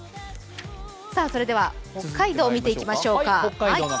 それでは北海道を見ていきましょうか。